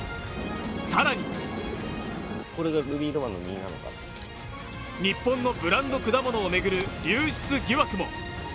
更に日本のブランド果物を巡る流出疑惑も。